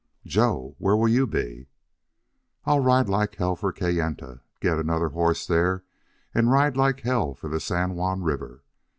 "Joe! Where will you be?" "I'll ride like hell for Kayenta, get another horse there, and ride like hell for the San Juan River.